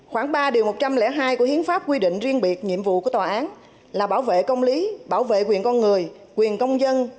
khoảng ba điều một trăm linh hai của hiến pháp quy định riêng biệt nhiệm vụ của tòa án là bảo vệ công lý bảo vệ quyền con người quyền công dân